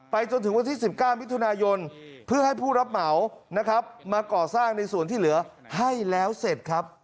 จนถึงวันที่๑๙มิถุนายนเพื่อให้ผู้รับเหมานะครับมาก่อสร้างในส่วนที่เหลือให้แล้วเสร็จครับ